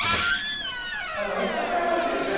ああでもほんと桜もちですね